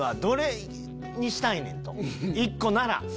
どれにしたいねん？と１個なら。